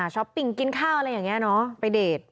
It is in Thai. ปิ่งกินข้าวอะไรอย่างนี้เนอะไปเดท